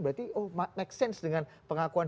berarti oh make sense dengan pengakuan